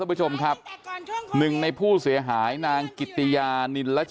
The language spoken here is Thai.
มึงทำเหมือนกูมากี่ครั้ง